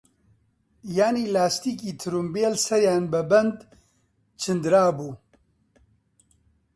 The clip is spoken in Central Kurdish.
یانی لاستیکی ترومبیل سەریان بە بەند چندرابوو